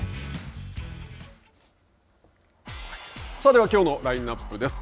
では、きょうのラインナップです。